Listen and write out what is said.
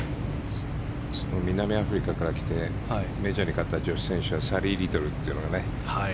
南アフリカから来てメジャーに勝った女子選手はサリー・リトルというのが。